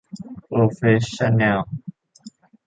โปรเฟสชั่นแนล